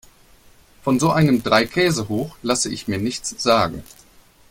Von so einem Dreikäsehoch lasse ich mir nichts sagen.